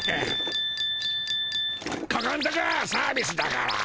ここんとこはサービスだから。